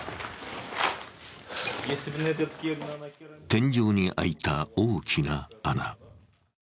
天井に開いた大きな穴。